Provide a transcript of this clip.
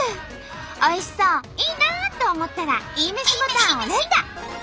おいしそういいなと思ったらいいめしボタンを連打。